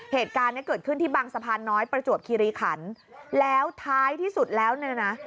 เหตุการณ์เนี้ยเกิดขึ้นที่บางสะพานน้อยประจวบคิริขันแล้วท้ายที่สุดแล้วเนี่ยนะ